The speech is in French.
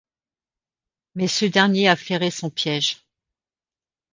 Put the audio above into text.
Mais ce dernier a flairé son piège...